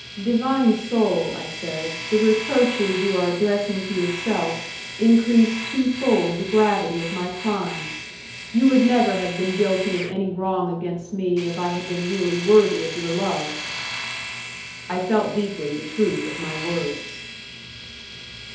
"Divine soul," I said, "the reproaches you are addressing to yourself increase twofold the gravity of my crime. You would never have been guilty of any wrong against me if I had been really worthy of your love." I felt deeply the truth of my words.